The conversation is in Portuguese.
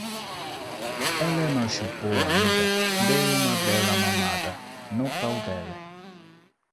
Ele me chupou, amiga. Dei uma bela mamada no pau dele